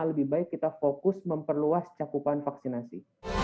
lebih baik kita fokus memperluas cakupan vaksinasi